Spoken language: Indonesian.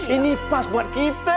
ini pas buat kita